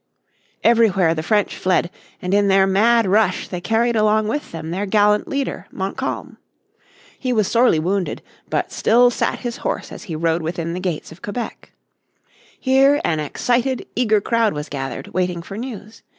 Everywhere the French fled, and in their mad rush they carried along with them their gallant leader, Montcalm. He was sorely wounded, but still sat his horse as he rode within the gates of Quebec. Here an excited, eager crowd was gathered, waiting for news.